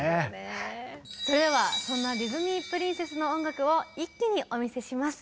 それではそんなディズニープリンセスの音楽を一気にお見せします。